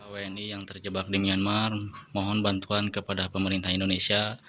wni yang terjebak di myanmar mohon bantuan kepada pemerintah indonesia